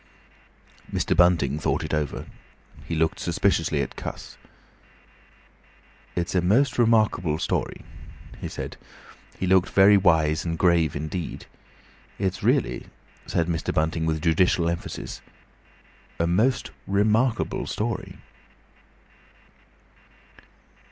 Mr. Bunting thought it over. He looked suspiciously at Cuss. "It's a most remarkable story," he said. He looked very wise and grave indeed. "It's really," said Mr. Bunting with judicial emphasis, "a most remarkable story."